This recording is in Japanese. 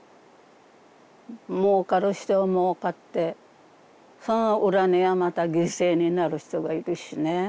もうかる人はもうかってその裏にはまた犠牲になる人がいるしね。